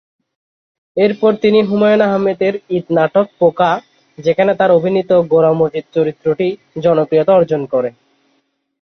এরপর তিনি হুমায়ূন আহমেদের ঈদ নাটক "পোকা", যেখানে তার অভিনীত "গোরা মজিদ" চরিত্রটি জনপ্রিয়তা অর্জন করে।